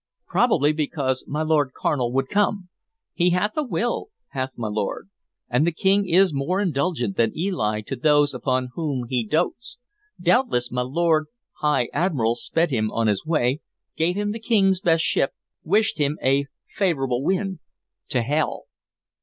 "Probably because my Lord Carnal would come. He hath a will, hath my Lord, and the King is more indulgent than Eli to those upon whom he dotes. Doubtless, my Lord High Admiral sped him on his way, gave him the King's best ship, wished him a favorable wind to hell."